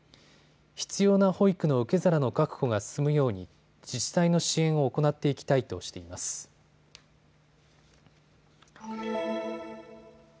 必要な保育の受け皿の確保が進むように自治体の支援を行っていきたいとしています。